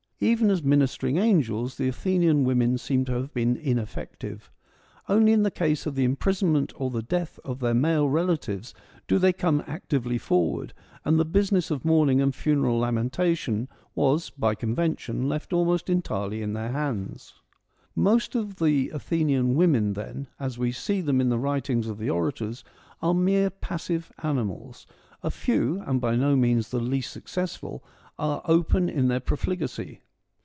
Even as ministering angels the Athenian women seem to have been ineffective. Only in the case of the imprisonment or the death of their male relatives do they come actively forward, and the business of mourning and funeral lamentation was by convention left almost entirely in their hands. 200 FEMINISM IN GREEK LITERATURE Most of the Athenian women then, as we B see them in the writings of the orators, are mere passive animals ; a few, and by no means the least suc cessful, are open in their profligacy.